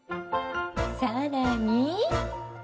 更に。